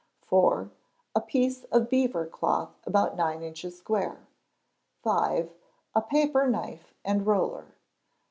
iv. A piece of beaver cloth about nine inches square. v. A paper knife and roller.